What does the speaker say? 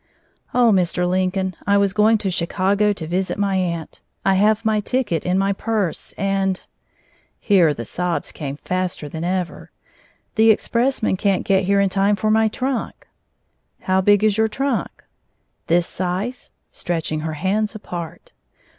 "Oh, Mr. Lincoln, I was going to Chicago to visit my aunt. I have my ticket in my purse and," here the sobs came faster than ever, "the expressman can't get here in time for my trunk." "How big is your trunk?" "This size," stretching her hands apart.